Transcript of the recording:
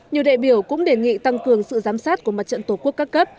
nhiều đại biểu cũng đề nghị tăng cường sự giám sát của mặt trận tổ quốc các cấp